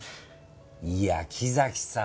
いや木崎さん